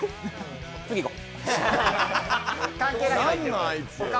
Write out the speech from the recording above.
次行こう！